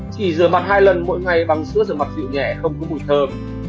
chỉ rửa mặt hai lần mỗi ngày bằng sữa rửa mặt dịu nhẹ không có mùi thơm